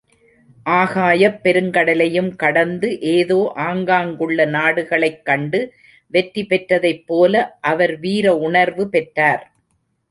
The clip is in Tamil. ஆகாயப் பெருங்கடலையும் கடந்து ஏதோ ஆங்காங்குள்ள நாடுகளைக் கண்டு வெற்றி பெற்றதைப் போல அவர் வீர உணர்வு பெற்றார்.